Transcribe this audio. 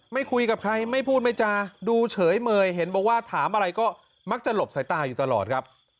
ไม่คุยกับใครไม่พูดไม่จาดูเฉยเมยเห็นบอกว่าถามอะไรก็มักจะหลบสายตาอยู่ตลอดครับ